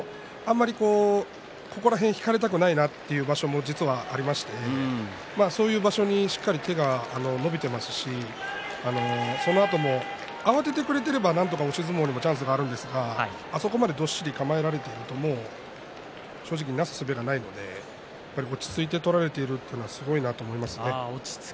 ここら辺、引かれたくないなという場所も実はありましてそういう場所はしっかり手が伸びていますしそのあとも慌ててくれていれば押し相撲にもなんとかチャンスがあるんですがあそこまでどっしり構えられていると正直なすすべがないので落ち着いて取れているというのはすごいなと思います。